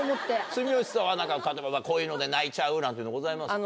住吉さんは例えばこういうので泣いちゃうなんてございます？